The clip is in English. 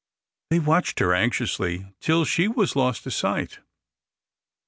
They watched her anxiously till she was lost to sight.